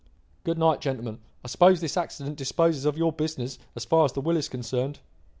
"Good night, gentlemen. I suppose this accident disposes of your business as far as the will is concerned?"